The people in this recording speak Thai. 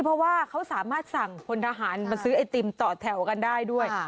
เพราะว่าเขาสามารถสั่งพลทหารมาซื้อไอติมต่อแถวกันได้ด้วย